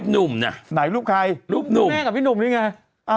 นุ่มแน่กับพี่นุ่มนี่ไง